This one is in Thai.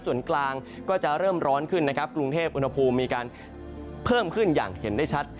ส่วนกลางก็จะเริ่มร้อนขึ้นนะครับกรุงเทพอุณหภูมิมีการเพิ่มขึ้นอย่างเห็นได้ชัด